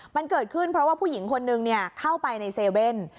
มันเกิดขึ้นเพราะว่าผู้หญิงคนนึงเข้าไปใน๗๑๑